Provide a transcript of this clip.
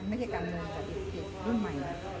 ไม่ได้เกิดสุทธิดของรุ่นใหม่